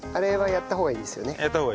やった方がいいですね。